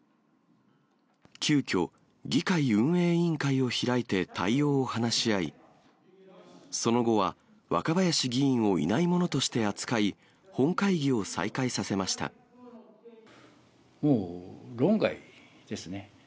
急きょ、議会運営委員会を開いて対応を話し合い、その後は若林議員をいないものとして扱い、本会議を再開させましもう論外ですね。